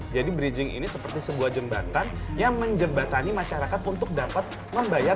jadi bridging ini seperti sebuah jembatan yang menjembatani masyarakat untuk dapat membayar